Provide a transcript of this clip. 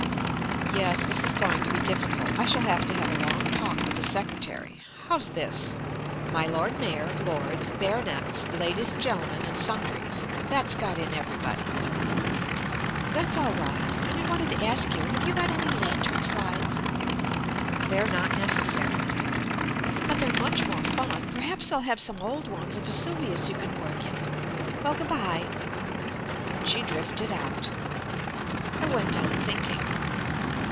"Yes, this is going to be difficult. I shall have to have a long talk with the Secretary ... How's this? 'My Lord Mayor, Lords, Baronets, Ladies and Gentlemen and Sundries.' That's got in everybody." "That's all right. And I wanted to ask you: Have you got any lantern slides?" "They're not necessary." "But they're much more fun. Perhaps they'll have some old ones of Vesuvius you can work in. Well, good bye." And she drifted out. I went on thinking.